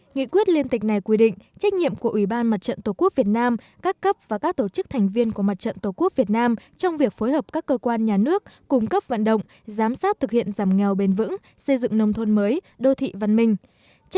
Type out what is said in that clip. nghị quyết liên tịch này quy định trách nhiệm của ủy ban mặt trận tổ quốc việt nam các cấp và các tổ chức thành viên của mặt trận tổ quốc việt nam trong việc phối hợp các cơ quan nhà nước cung cấp vận động giám sát thực hiện giảm nghèo bền vững xây dựng nông thôn mới đô thị văn minh